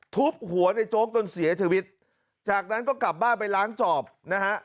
ทุบหัวในโจ๊กจนเสียชีวิตจากนั้นก็กลับบ้านไปล้างจอบนะฮะ